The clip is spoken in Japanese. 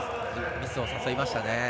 ミスを誘いましたね。